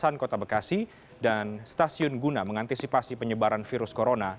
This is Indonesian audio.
kawasan kota bekasi dan stasiun guna mengantisipasi penyebaran virus corona